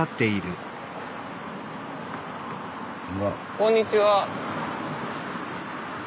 こんにちは。